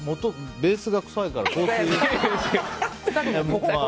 ベースが臭いから。